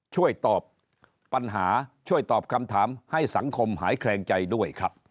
ช่วยตอบปัญหาช่วยตอบคำถามให้สังคมหายแคลงใจด้วยครับ